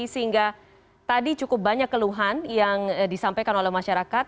sehingga tadi cukup banyak keluhan yang disampaikan oleh masyarakat